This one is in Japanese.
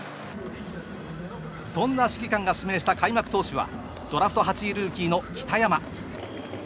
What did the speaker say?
そんな指揮官が指名した開幕投手はドラフト８位ルーキーの北山。